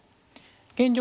現状